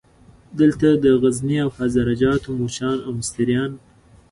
دلته د غزني او هزاره جاتو موچیان او مستریان.